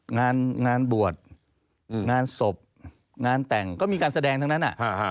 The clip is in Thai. งานงานบวชงานศพงานแต่งก็มีการแสดงทั้งนั้น